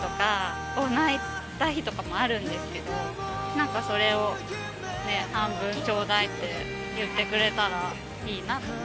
何かそれをね「半分ちょーだい」って言ってくれたらどれですか？